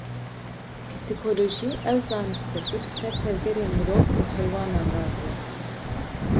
Psîkolojî, ew zanist e ku li ser tevgerên mirov û heywanan radiweste